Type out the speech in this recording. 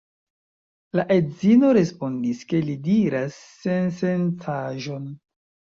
La edzino respondis, ke li diras sensencaĵon.